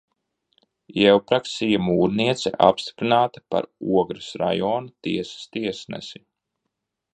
Jevpraksija Mūrniece apstiprināta par Ogres rajona tiesas tiesnesi.